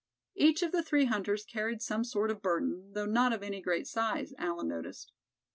Each of the three hunters carried some sort of burden, though not of any great size, Allan noticed.